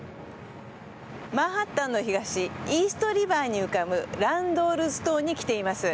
マンハッタンの東イーストリバーに浮かぶランドールズ島に来ています。